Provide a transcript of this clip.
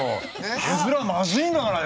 絵づらまずいんだからね